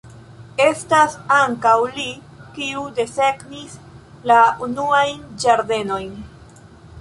Estas ankaŭ li, kiu desegnis la unuajn ĝardenojn.